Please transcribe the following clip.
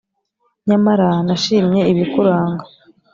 Nyamara nashimye ibikuranga